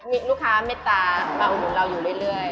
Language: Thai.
มีลูกค้าเมตตามาอุดหนุนเราอยู่เรื่อย